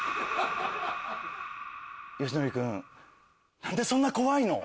義徳君何でそんな怖いの？